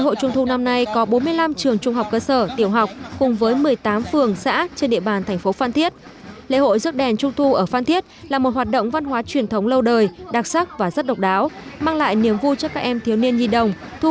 tết trung thu năm nay mang chủ đề trung thu về bản đồng viên các em nhỏ xã biên phòng tỉnh nghệ an tổ chức nhằm động viên các em nhỏ xã biên phòng tỉnh nghệ an tổ chức nhằm động viên các em nhỏ xã biên phòng tỉnh